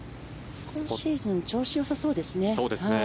今シーズン調子よさそうですね。